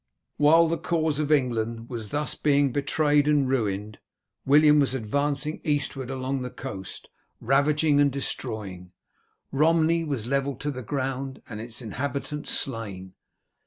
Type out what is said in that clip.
While the cause of England was thus being betrayed and ruined, William was advancing eastward along the coast ravaging and destroying. Romney was levelled to the ground and its inhabitants slain.